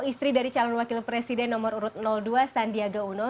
istri dari calon wakil presiden nomor urut dua sandiaga uno